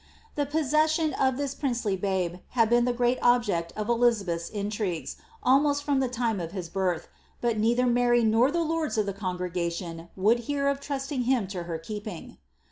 * The possession of (hn £riucely babe had been the great object uf Elizabeth's intrigues, almost om the time of his birth, but neither Mary nor the lords of the congre Slion would hear of trusting him to her keeping.